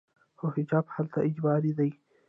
خو حجاب هلته اجباري دی.